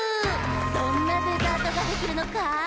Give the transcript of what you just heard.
どんなデザートができるのか？